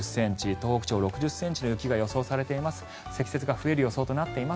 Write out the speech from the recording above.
東北地方６０ｃｍの雪が予想されています